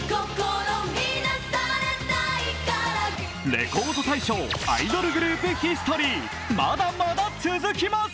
「レコード大賞」アイドルグループヒストリーまだまだ続きます。